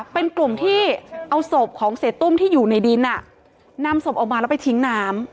เป็นกลุ่มที่เอาศพของเสียตุ้มที่อยู่ในดินนำศพออกมาแล้วไปทิ้งน้ำ